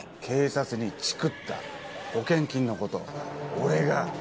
警察にチクった保険金のこと俺が。